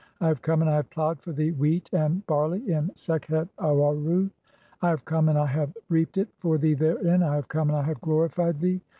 (35) "I have come, and I have ploughed for thee wheat and "barley in Sekhet Aaru. (36) "I have come, and f have reaped it for thee therein. (37) "I have come, and I have glorified thee.